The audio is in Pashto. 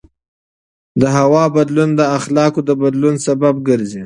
د هوا بدلون د اخلاقو د بدلون سبب ګرځي.